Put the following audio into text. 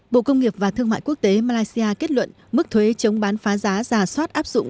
bộ công nghiệp và thương mại quốc tế malaysia kết luận mức thuế chống bán phá giá giả soát áp dụng